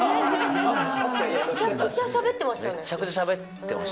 めちゃくちゃしゃべってまし